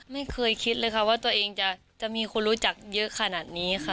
ไม่เคยคิดเลยค่ะว่าตัวเองจะมีคนรู้จักเยอะขนาดนี้ค่ะ